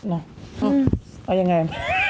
อืมเอาอย่างไร